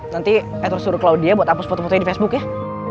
nanti edward suruh claudia buat hapus foto fotonya di facebook yah